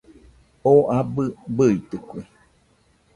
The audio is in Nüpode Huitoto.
Oo abɨ bɨitɨkue